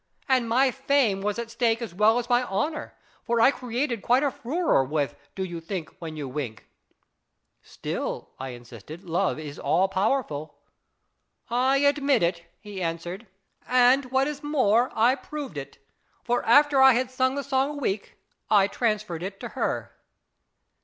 And my fame was at stake as well as my honour, for I created quite a furore with * Do you think when you wink ?':" Still," I insisted, " love is all powerful." " I admit it," he answered, " and, what is 258 IS IT A MAN? more, I proved it, for after I had sung the song a week, I transferred it to her."